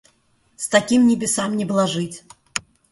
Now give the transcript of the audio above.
С таким небесам не блажить.